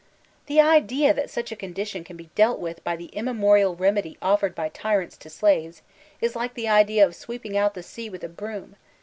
The idea that such a condition can be dealt with by the unmemorial remedy offered by tyrants to slaves, is like the idea of sweeping out the sea with a broom.